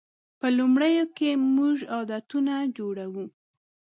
په لومړیو کې موږ عادتونه جوړوو.